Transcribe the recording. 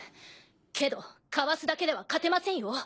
けどかわすだけでは勝てませんよ。